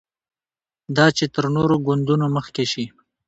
دا چې تر نورو ګوندونو مخکې شي.